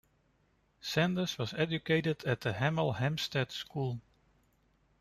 Sanders was educated at The Hemel Hempstead School.